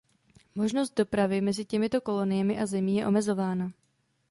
Možnost dopravy mezi těmito koloniemi a Zemí je omezována.